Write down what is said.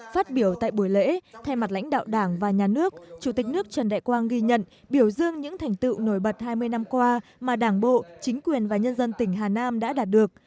phát biểu tại buổi lễ thay mặt lãnh đạo đảng và nhà nước chủ tịch nước trần đại quang ghi nhận biểu dương những thành tựu nổi bật hai mươi năm qua mà đảng bộ chính quyền và nhân dân tỉnh hà nam đã đạt được